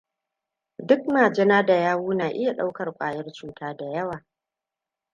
Duk majina da yau na iya ɗaukar kwayar cuta da yawa.